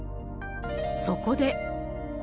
そこで。